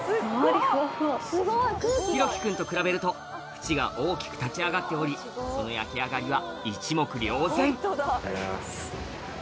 宏樹君と比べると縁が大きく立ち上がっておりその焼き上がりは一目瞭然いただきます。